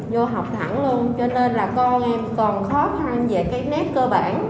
vô học thẳng luôn cho nên là con em còn khó khăn về cái nét cơ bản